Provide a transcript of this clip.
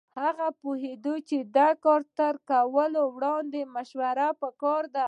هغه پوهېده چې د کار تر کولو وړاندې مشوره پکار ده.